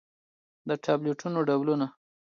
د ټابليټنو ډولونه: